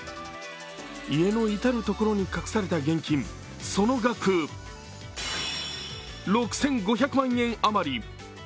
家の至る所に隠された現金、その額６５００万円あまり。